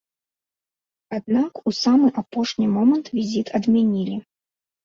Аднак у самы апошні момант візіт адмянілі.